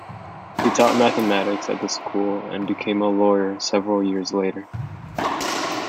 He taught mathematics at the school, and became a lawyer several years later.